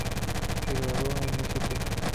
Se graduó en St.